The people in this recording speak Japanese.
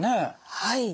はい。